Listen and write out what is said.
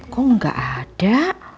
kok gak ada